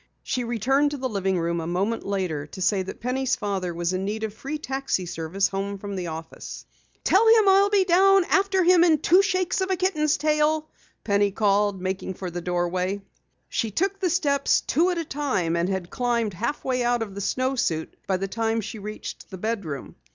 She returned to the living room a moment later to say that Penny's father was in need of free taxi service home from the office. "Tell him I'll be down after him in two shakes of a kitten's tail!" Penny called, making for the stairway. She took the steps two at a time and had climbed halfway out of the snowsuit by the time she reached the bedroom.